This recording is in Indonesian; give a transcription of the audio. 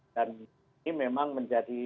dan ini memang menjadi